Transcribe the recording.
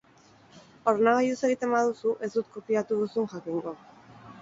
Ordenagailuz egiten baduzu, ez dut kopiatu duzun jakingo.